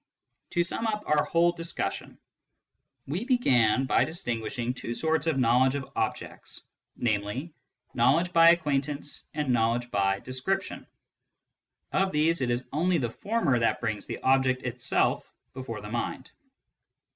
To sum up our whole discussion We began by dis KNOWLEDGE BY ACQUAINTANCE 231 tinguishing two sorts of knowledge of objects, namely, knowledge by acquaintance and knowledge by description. Of these it is only the former that brings the object itself before the mind.